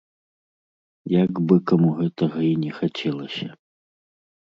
Як бы каму гэтага і не хацелася.